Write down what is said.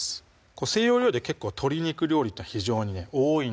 西洋料理で結構鶏肉料理って非常にね多いんです